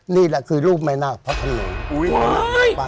นี่แหละคือลูกไม่น่าพัฒนา